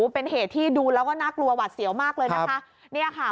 เป็นเหตุที่ดูแล้วก็น่ากลัวหวัดเสียวมากเลยนะคะเนี่ยค่ะ